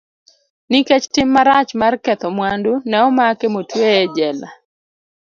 Nikech tim marach mar ketho mwandu, ne omake motueye e jela.